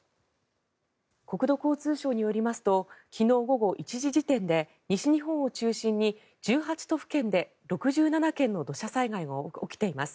国土交通省によりますと昨日午後１時時点で西日本を中心に１８都府県で６７件の土砂災害が起きています。